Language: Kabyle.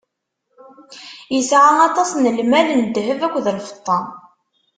Isɛa aṭas n lmal, n ddheb akked lfeṭṭa.